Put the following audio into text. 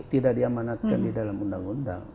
tidak diamanatkan di dalam undang undang